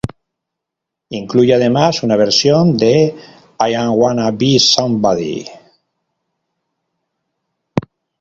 Incluye además una versión de "I Wanna Be Somebody".